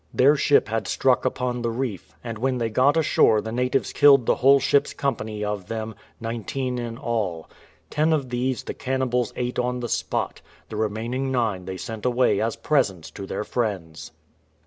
Their ship had struck upon the reef, and when they got ashore the natives killed the whole ship^'s company of them, nineteen in all. Ten of these the cannibals ate on the spot; the remaining nine they sent away as presents to their friends.